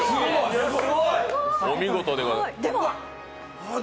お見事でございます。